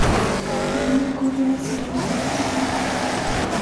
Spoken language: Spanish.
Juliet corre hacia el aeropuerto sin equipaje.